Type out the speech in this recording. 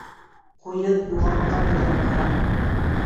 Ҡуйын юғалтҡан ергә ҡарар.